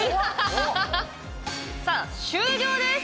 さあ終了です。